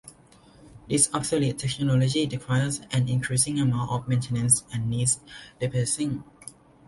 This obsolete technology requires an increasing amount of maintenance and needs replacing.